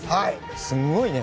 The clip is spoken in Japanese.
すごいね。